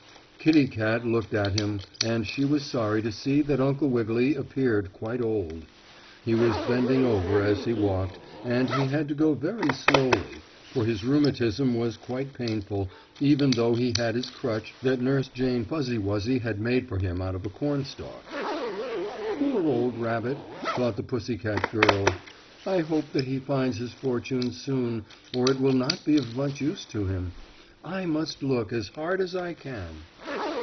Kittie Kat looked at him, and she was sorry to see that Uncle Wiggily appeared quite old. He was bending over as he walked, and he had to go very slowly, for his rheumatism was quite painful, even though he had his crutch that Nurse Jane Fuzzy Wuzzy had made for him out of a cornstalk. "Poor old rabbit," thought the pussy girl. "I hope that he finds his fortune soon, or it will not be of much use to him. I must look as hard as I can."